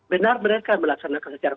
benar benarkan melaksanakan secara